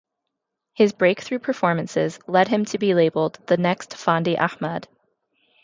His breakthrough performances led him to be labelled the "next Fandi Ahmad".